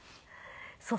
そう。